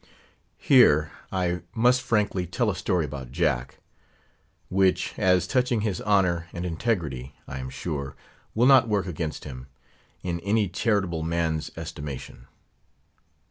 Here, I must frankly tell a story about Jack, which as touching his honour and integrity, I am sure, will not work against him, in any charitable man's estimation.